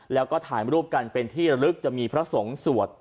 แล้วก็ถ่ายรูปกันเป็นที่ระลึกจะมีพระสงฆ์สวด